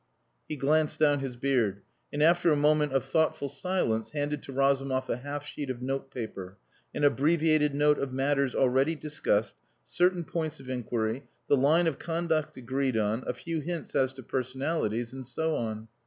He glanced down his beard, and, after a moment of thoughtful silence, handed to Razumov a half sheet of notepaper an abbreviated note of matters already discussed, certain points of inquiry, the line of conduct agreed on, a few hints as to personalities, and so on.